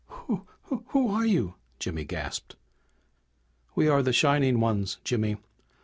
"W Who are you?" Jimmy gasped. "We are the Shining Ones, Jimmy!